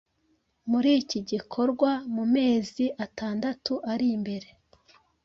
muri iki gikorwa mu mezi atandatu ari imbere ”